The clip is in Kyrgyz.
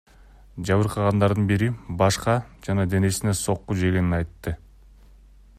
Жабыркагандардын бири башка жана денесине сокку жегенин айтты.